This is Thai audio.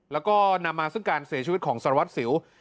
แล้วก็นำมาซึ่งการเสียชีวิตของสารวัตรสิว